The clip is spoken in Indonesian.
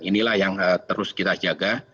inilah yang terus kita jaga